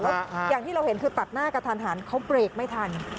แล้วอย่างที่เราเห็นคือตัดหน้ากระทันหันเขาเบรกไม่ทัน